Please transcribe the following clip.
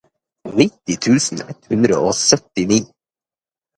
nittini tusen ett hundre og syttini